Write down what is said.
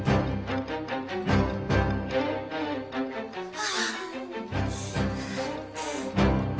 ああ。